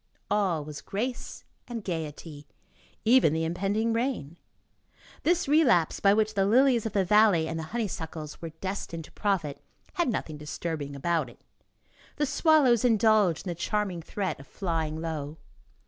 All was grace and gayety, even the impending rain; this relapse, by which the lilies of the valley and the honeysuckles were destined to profit, had nothing disturbing about it; the swallows indulged in the charming threat of flying low.